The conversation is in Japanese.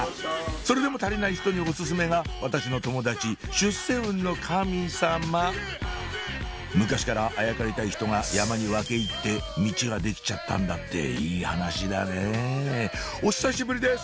それでも足りない人にお薦めが私の友達出世運の神様昔からあやかりたい人が山に分け入ってミチが出来ちゃったんだっていい話だねぇお久しぶりです！